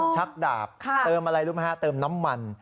ชักดาบเติมอะไรรู้ไหมฮะเติมน้ำมัน